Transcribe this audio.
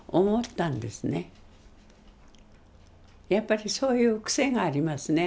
やっぱりそういう癖がありますね